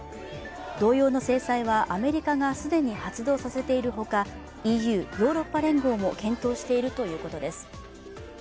同様の制裁はアメリカが既に発動させているほかＥＵ＝ヨーロッパ連合も検討しているということです。